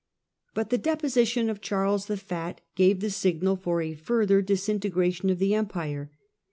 But the deposition of Charles the Fat gave the signal for a further disintegration of the Empire.